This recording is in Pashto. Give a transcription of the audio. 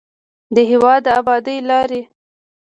د هېواد د ابادۍ لارې